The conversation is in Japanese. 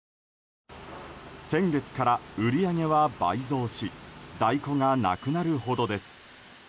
先月から売り上げは倍増し在庫がなくなるほどです。